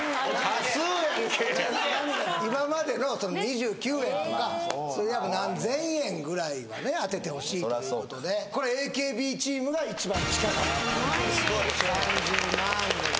今までの２９円とか何千円ぐらいはね当ててほしいということでＡＫＢチームが一番近かった３０万円でございました